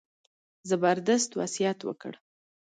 زبردست وصیت وکړ.